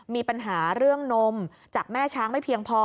มีปัญหาเรื่องนมจากแม่ช้างไม่เพียงพอ